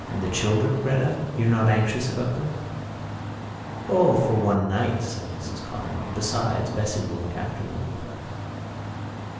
And the children, Gretta, you're not anxious about them?" "O, for one night," said Mrs Conroy. "Besides, Bessie will look after them."